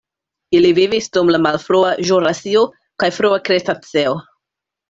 Ili vivis dum la malfrua ĵurasio kaj frua kretaceo.